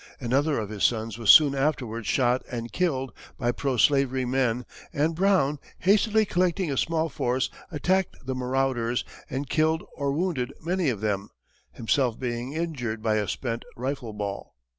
Another of his sons was soon afterwards shot and killed by pro slavery men and Brown, hastily collecting a small force, attacked the marauders, and killed or wounded many of them, himself being injured by a spent rifle ball.